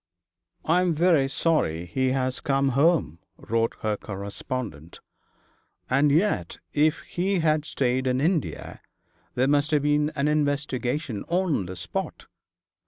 'I am very sorry he has come home,' wrote her correspondent, 'and yet if he had stayed in India there must have been an investigation on the spot.